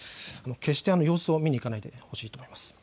決して様子を見に行かないでほしいと思います。